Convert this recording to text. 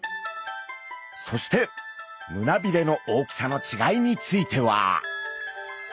そして胸びれの大きさの違いについては。